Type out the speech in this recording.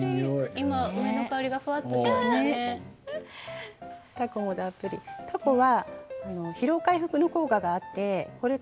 今、梅の香りがふわっとしましたね。